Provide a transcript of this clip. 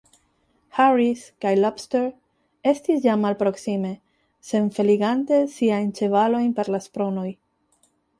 Harris kaj Lobster estis jam malproksime, senfeligante siajn ĉevalojn per la spronoj.